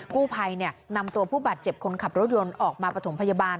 กู้ภัยนำตัวผู้บาดเจ็บคนขับรถยนต์ออกมาประถมพยาบาล